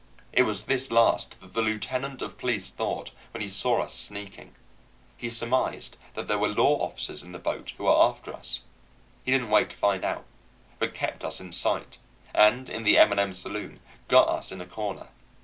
It was this last that the lieutenant of police thought when he saw us sneaking. He surmised that there were law officers in the boat who were after us. He didn't wait to find out, but kept us in sight, and in the M.&.M. saloon got us in a corner.